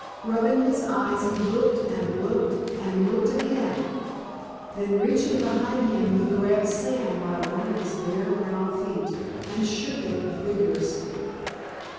Rubbing his eyes he looked and looked, and looked again. Then reaching behind him he grabbed Sam by one of his bare brown feet and shook it vigorously.